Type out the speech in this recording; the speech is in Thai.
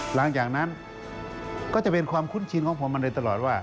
หลังจากนั้นก็จะเป็นความคุ้นชินของผมมาโดยตลอดว่า